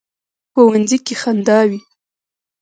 ښوونځی کې خندا وي